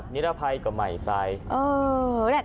เป็นขัดนิรภัยกับไมค์ไซค์